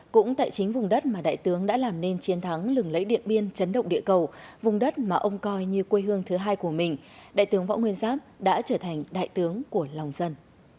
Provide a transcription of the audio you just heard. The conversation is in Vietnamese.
cũng tại chính vùng đất mà đại tướng đã làm nên chiến thắng lừng lấy điện biên chấn động địa cầu vùng đất mà ông coi như quê hương thứ hai của mình đại tướng võ nguyên giáp đã trở thành đại tướng của lòng dân